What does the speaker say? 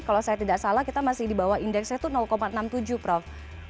kalau saya tidak salah kita masih di bawah indeksnya itu enam puluh tujuh prof